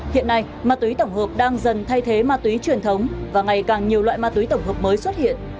hiện nay ma túy tổng hợp đang dần thay thế ma túy truyền thống và ngày càng nhiều loại ma túy tổng hợp mới xuất hiện